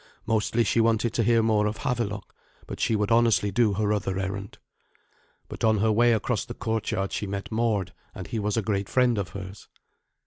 Mostly she wanted to hear more of Havelok, but she would honestly do her other errand. But on her way across the courtyard she met Mord, and he was a great friend of hers.